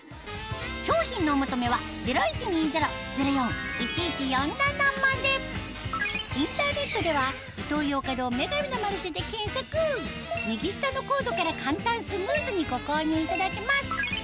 商品のお求めはインターネットでは右下のコードから簡単スムーズにご購入いただけます